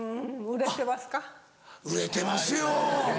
売れてますよ。